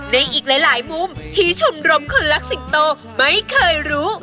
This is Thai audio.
ในอีกหลายมุมที่ชมรมคนรักสิงโตไม่เคยรู้